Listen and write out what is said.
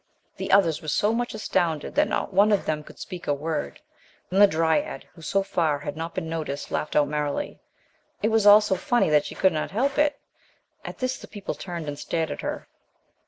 The others were so much astounded that not one of them could speak a word. Then the dryad, who, so far, had not been noticed, laughed out merrily. It was all so funny that she could not help it. At this the people turned and stared at her.